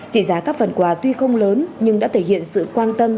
trị giá các phần quà tuy không lớn nhưng đã thể hiện sự quan tâm